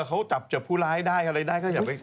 เขาจับเจอผู้ร้ายได้อะไรก็อย่างงี้